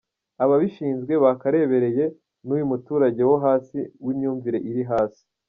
Ababishinzwe bakarebereye n’uyu muturage wo hasi w’imyumvire iri hasi.